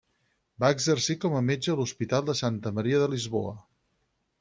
Va exercir com a metge a l'hospital de Santa Maria de Lisboa.